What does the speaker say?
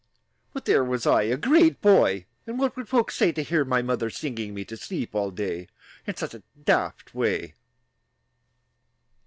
But there was I, a great boy, And what would folks say To hear my mother singing me To sleep all day, In such a daft way?